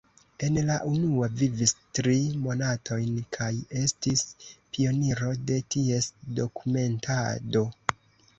En la unua vivis tri monatojn kaj estis pioniro de ties dokumentado.